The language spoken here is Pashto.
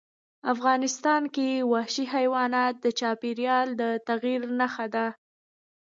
افغانستان کې وحشي حیوانات د چاپېریال د تغیر نښه ده.